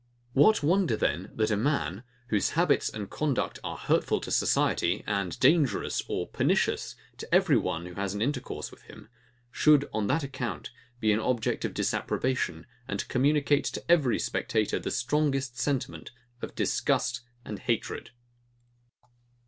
What wonder then, that a man, whose habits and conduct are hurtful to society, and dangerous or pernicious to every one who has an intercourse with him, should, on that account, be an object of disapprobation, and communicate to every spectator the strongest sentiment of disgust and hatred.